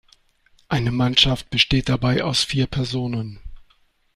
Eine Mannschaft besteht dabei aus vier Personen.